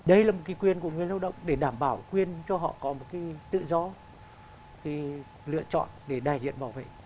đây là một cái quyền của người lao động để đảm bảo quyền cho họ có một cái tự do lựa chọn để đại diện bảo vệ